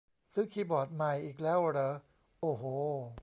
ซื้อคีย์บอร์ดใหม่อีกแล้วเหรอ โอ้โห